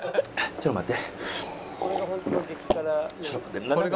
ちょっと待って。